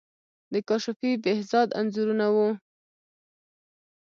د کاشفی، بهزاد انځورونه وو.